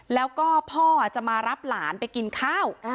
แล้วก็พ่อจะมารับหลานไปกินข้าว